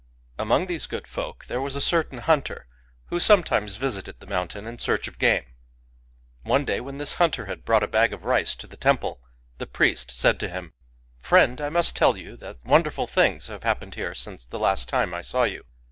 Among these good folk there was a certain hunter, who sometimes visited the mountain in search of game. One day, when this hunter had brought a bag of rice to the temple, the priest said to him: —^" Friend, I must tell you that wonderful things have happened here since the last time I saw you.